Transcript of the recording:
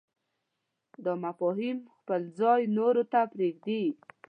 دا مفاهیم خپل ځای نورو ته پرېږدي.